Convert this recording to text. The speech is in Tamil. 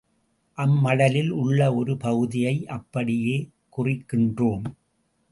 அம்மடலில் உள்ள ஒரு பகுதியை அப்படியே குறிக்கின்றோம்.